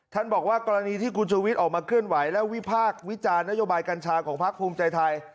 บอกว่ากรณีที่คุณชูวิทย์ออกมาเคลื่อนไหวและวิพากษ์วิจารณ์นโยบายกัญชาของพักภูมิใจไทย